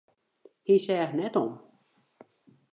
Hy seach net om.